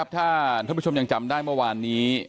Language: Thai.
ถ้าท่านผู้ชมยังจำได้เมื่อวานนี้